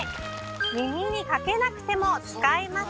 耳にかけなくても使えます